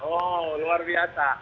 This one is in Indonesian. oh luar biasa